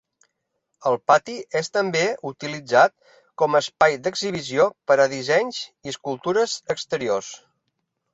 El pati és també utilitzat com a espai d'exhibició per a dissenys i escultures exteriors.